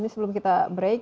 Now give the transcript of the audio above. sebelum kita break